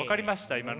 今の。